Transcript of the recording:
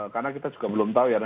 karena kita juga belum tahu ya